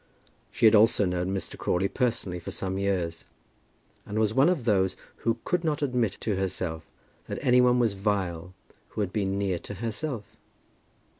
She had also known Mr. Crawley personally for some years, and was one of those who could not admit to herself that any one was vile who had been near to herself.